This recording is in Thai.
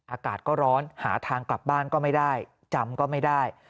อากาศก็ร้อนหาทางกลับบ้านก็ไม่ได้จำก็ไม่ได้